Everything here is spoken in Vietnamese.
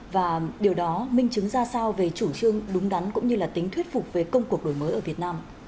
và điều đó minh chứng ra sao về chủ trương đúng đắn cũng như là tính thuyết phục về công cuộc đổi mới ở việt nam